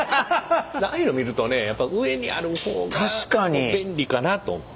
ああいうの見るとね上にある方が便利かなと思う。